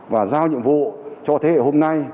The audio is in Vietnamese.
và giao nhiệm vụ cho thế hệ hôm nay